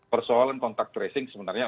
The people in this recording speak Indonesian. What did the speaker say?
persoalan kontak tracing sebenarnya